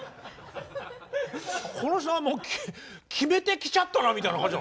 この人はもうキメてきちゃったなみたいな感じ。